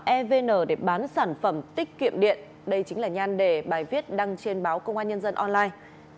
evn để bán sản phẩm tiết kiệm điện đây chính là nhan đề bài viết đăng trên báo công an nhân dân online